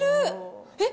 えっ？